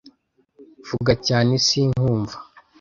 vuga cyane si nkumva